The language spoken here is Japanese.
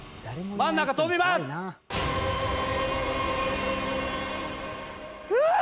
真ん中飛びますううーっ！